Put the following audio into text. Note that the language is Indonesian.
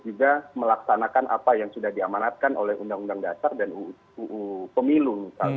juga melaksanakan apa yang sudah diamanatkan oleh undang undang dasar dan uu pemilu